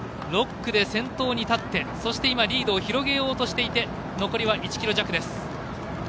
６区で先頭に立って今、リードを広げようとしていて残りは１ｋｍ弱です。